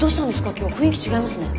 今日雰囲気違いますね。